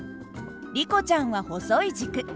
リコちゃんは細い軸。